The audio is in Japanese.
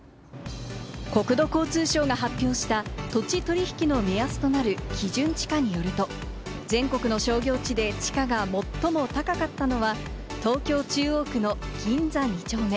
国土交通省が発表した土地取引の目安となる基準地価によると、全国の商業地で地価が最も高かったのは、東京・中央区の銀座２丁目。